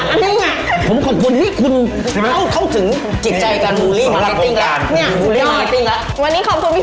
อันนี้เนี่ยผมขอบคุณคุณเข้าถึงจิตใจการบูลลี่